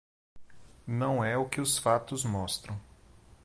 Não é o que os fatos mostram